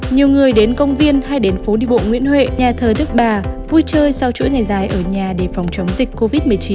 nhiều người đến công viên hay đến phố đi bộ nguyễn huệ nhà thờ đức bà vui chơi sau chuỗi ngày dài ở nhà để phòng chống dịch covid một mươi chín